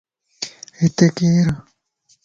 ھتي ڪير؟